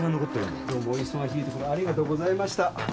どうもお忙しいところありがとうございました。